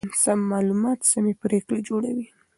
سم معلومات سمې پرېکړې جوړوي.